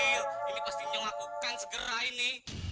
ini yang kecil ini pastinya ngakukan segera ini